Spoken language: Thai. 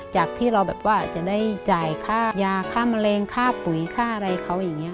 จากที่เราแบบว่าจะได้จ่ายค่ายาค่ามะเร็งค่าปุ๋ยค่าอะไรเขาอย่างนี้